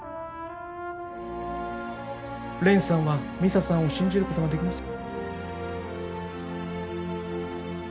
レンさんはミサさんを信じることができますか？